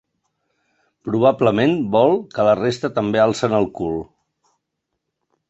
Probablement vol que la resta també alcen el cul.